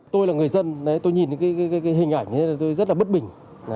tôi là người dân tôi nhìn cái hình ảnh này tôi rất là bất bình